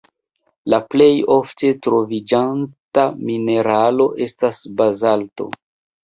La plej ofte troviĝanta mineralo estas bazalto.